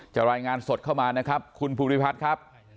รายงานสดเข้ามานะครับคุณภูริพัฒน์ครับ